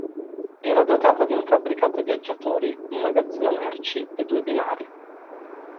Era dotata di un fabbricato viaggiatori, un magazzino merci e due binari.